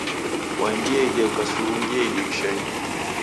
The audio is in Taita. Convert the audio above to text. Wandieghe ukasungia idirishenyi.